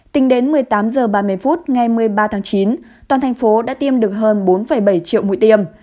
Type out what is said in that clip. tính đến một mươi tám h ba mươi phút ngày một mươi ba tháng chín toàn thành phố đã tiêm được hơn bốn bảy triệu mũi tiêm